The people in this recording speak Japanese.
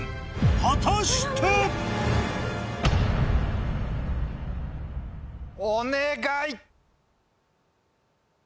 果たして⁉お願い！